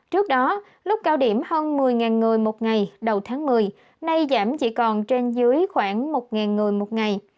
trước đó lúc cao điểm hơn một mươi người một ngày đầu tháng một mươi nay giảm chỉ còn trên dưới khoảng một người một ngày